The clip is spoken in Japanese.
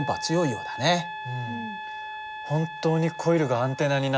うん。